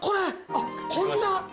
あっこんな。